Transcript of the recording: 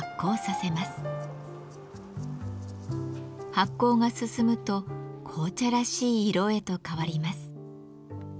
発酵が進むと紅茶らしい色へと変わります。